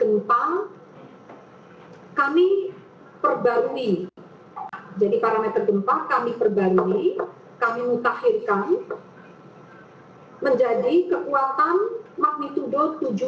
maka parameter gempa kami perbarui kami mutakhirkan menjadi kekuatan makmi tudo tujuh empat